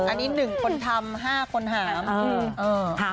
อันนี้๑คนทำ๕คนหาม